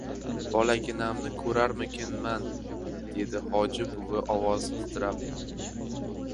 — Bolaginamni ko‘rarmikinman? — dedi Hoji buvi ovozi titrab.